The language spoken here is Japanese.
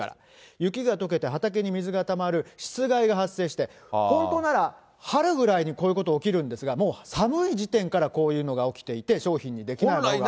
雪がとけて畑に水がたまる湿害が発生して、本当なら春ぐらいにこういうことが起きるんですが、もう寒い時点からこういうのが起きていて、商品にできないものが。